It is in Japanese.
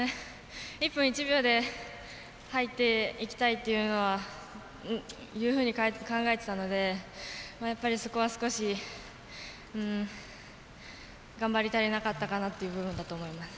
１分１秒で入っていきたいっていうふうに考えていたのでやっぱり、そこは少し頑張り足りなかったかなという部分だと思います。